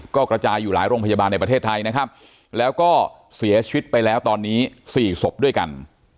ก็กระจายอยู่หลายโรงพยาบาลในประเทศไทยนะครับแล้วก็เสียชีวิตไปแล้วตอนนี้๔ศพด้วยกัน